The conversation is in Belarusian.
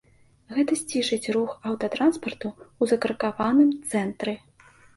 Гэта сцішыць рух аўтатранспарту ў закаркаваным цэнтры.